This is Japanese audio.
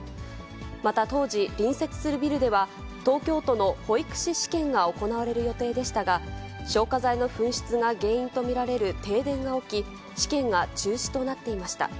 また当時、隣接するビルでは東京都の保育士試験が行われる予定でしたが、消火剤の噴出が原因とみられる停電が起き、試験が中止となっていました。